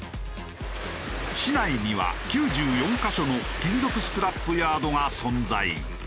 市内には９４カ所の金属スクラップヤードが存在。